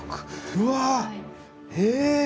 うわっえ！